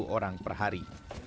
orang per hari